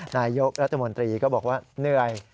นายกรัฐมนตรีก็บอกว่าเหนื่อย